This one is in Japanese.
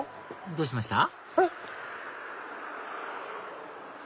どうしました？